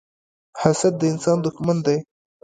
حسد د انسان دښمن دی